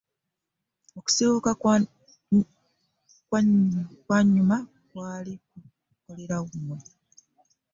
Okusiiwuuka kwa nnyammwe kwali kukolerera mmwe.